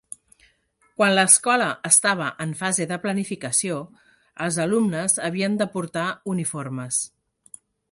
Quan l'escola estava en fase de planificació, els alumnes havien de portar uniformes.